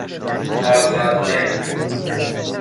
آزادمهر